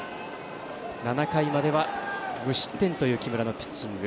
７回までは無失点という木村のピッチング。